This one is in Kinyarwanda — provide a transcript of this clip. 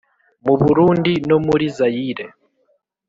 mu burundi no muri zayire